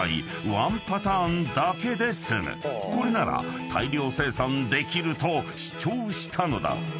［これなら大量生産できると主張したのだ］